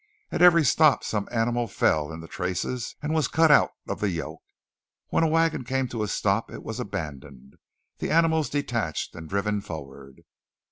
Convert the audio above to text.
At every stop some animal fell in the traces, and was cut out of the yoke. When a wagon came to a stop, it was abandoned, the animals detached and driven forward.